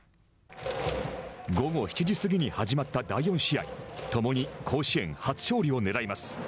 午後７時過ぎに始まった第４試合共に甲子園初勝利をねらいます。